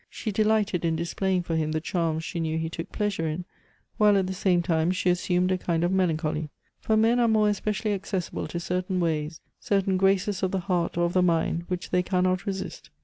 She delighted in displaying for him the charms she knew he took pleasure in, while at the same time she assumed a kind of melancholy; for men are more especially accessible to certain ways, certain graces of the heart or of the mind which they cannot resist.